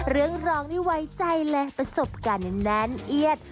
เรื่องร้องนี่ไว้ใจและประสบการณ์แน่นเอียด